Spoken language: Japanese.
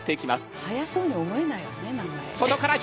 速そうに思えないよね名前。